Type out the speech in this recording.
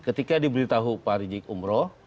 ketika diberitahu pak rizik umroh